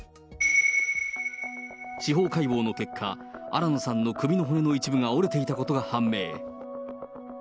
司法解剖の結果、新野さんの首の骨の一部が折れていたことが判明。